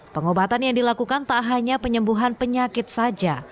pengobatan yang dilakukan tak hanya penyembuhan penyakit saja